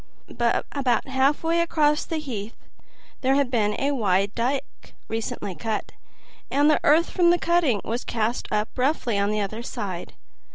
About halfway across the heath there had been a wide dike recently cut, and the earth from the cutting was cast up roughly on the other side.